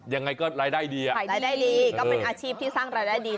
ยังไงก็รายได้ดีอ่ะขายรายได้ดีก็เป็นอาชีพที่สร้างรายได้ดี